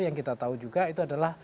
yang kita tahu juga itu adalah